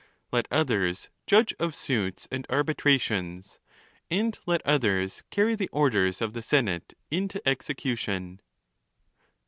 Let others judge of suits and arbitrations; and let others carry the orders of the senate into execution.